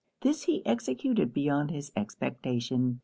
This he executed beyond his expectation.